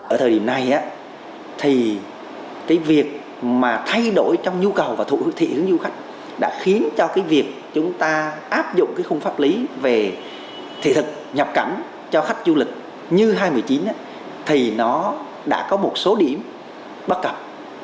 ở thời điểm này thì cái việc mà thay đổi trong nhu cầu và thủ đô thị của du khách đã khiến cho cái việc chúng ta áp dụng cái khung pháp lý về thị thực nhập cảnh cho khách du lịch như hai nghìn một mươi chín thì nó đã có một số điểm bắt cập